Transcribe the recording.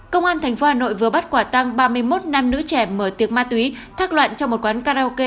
công an tp hà nội vừa bắt quả tăng ba mươi một nam nữ trẻ mở tiệc ma túy thác loạn trong một quán karaoke